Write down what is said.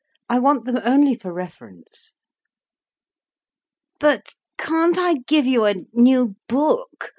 I want them only for reference." "But can't I give you a new book?